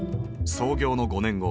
創業の５年後。